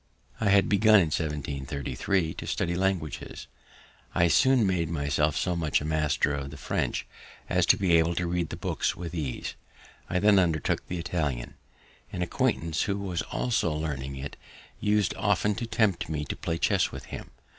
I had begun in 1733 to study languages; I soon made myself so much a master of the French as to be able to read the books with ease. I then undertook the Italian. An acquaintance, who was also learning it, us'd often to tempt me to play chess with him.